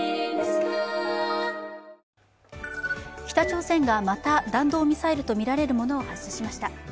北朝鮮がまた弾道ミサイルとみられるものを発射しました。